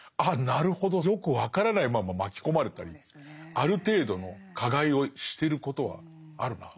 なるほどよく分からないまま巻き込まれたりある程度の加害をしてることはあるなって。